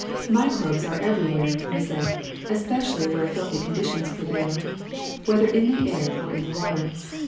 ^'Microbes are everywhere, we say, especially where filthy conditions prevail, whether in the air or in the water.